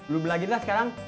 lu bilangin lah sekarang